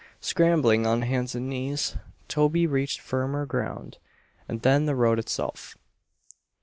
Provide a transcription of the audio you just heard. Scrambling on hands and knees, Toby reached firmer ground, and then the road itself.